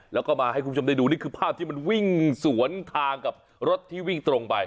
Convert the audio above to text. แล้วก็มาให้คุณผู้ชมได้ดูนี่คือภาพที่มันวิ่งสวนทางกับรถที่วิ่งตรงไป